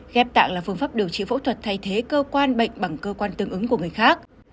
ghép tạng là phương pháp điều trị phẫu thuật thay thế cơ quan bệnh bằng cơ quan tương ứng của người khác